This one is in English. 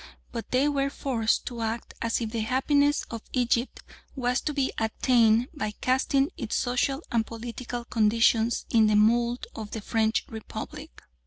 But they were forced to act as if the happiness of Egypt was to be attained by casting its social and political conditions in the mould of the French Republic.